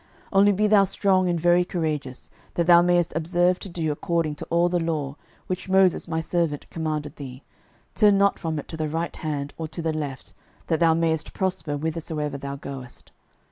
06:001:007 Only be thou strong and very courageous, that thou mayest observe to do according to all the law, which Moses my servant commanded thee: turn not from it to the right hand or to the left, that thou mayest prosper withersoever thou goest.